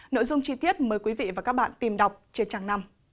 nội dung chi tiết mời quý vị và các bạn tìm đọc trên trang năm